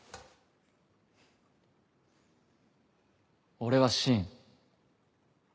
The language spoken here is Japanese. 俺は信。